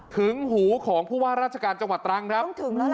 ถึงหูของผู้ว่าราชการจังหวัดตรังค์ครับ